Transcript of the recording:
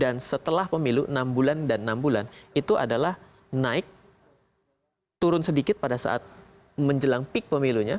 dan setelah pemilu enam bulan dan enam bulan itu adalah naik turun sedikit pada saat menjelang pik pemilunya